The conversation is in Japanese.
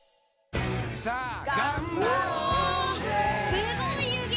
すごい湯気！